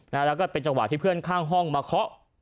แล้วก็เป็นจังหวะที่เพื่อนข้างห้องมาเคาะ